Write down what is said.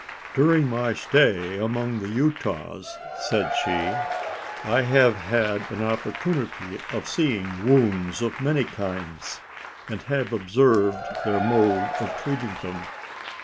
"During my stay among the Utahs," said she, "I have had an opportunity of seeing wounds of many kinds, and have observed their mode of treating them.